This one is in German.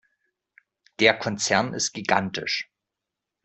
Der Konzern ist gigantisch.